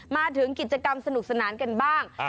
มาถึงกิจกรรมสนุกสนานกันบ้าง